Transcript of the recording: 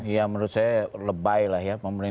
ya menurut saya lebay lah ya